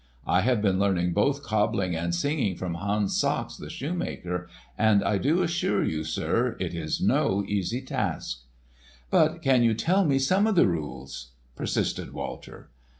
I have been learning both cobbling and singing from Hans Sachs, the shoemaker, and I do assure you, sir, it is no easy task." "But can you tell me some of these rules?" persisted Walter.